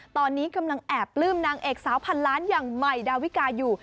ตอนนี้กำลังแอบปลื้มนางเอกสาวพันล้านอย่างใหม่ดาวิกาอยู่